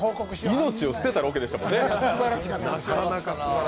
命を捨てたロケでしたもんね。